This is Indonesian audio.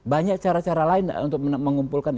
banyak cara cara lain untuk mengumpulkan